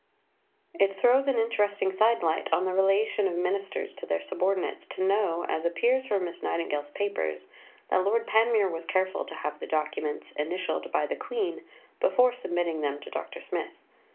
It throws an interesting side light on the relation of Ministers to their subordinates to know, as appears from Miss Nightingale's papers, that Lord Panmure was careful to have the documents initialled by the Queen before submitting them to Dr. Smith.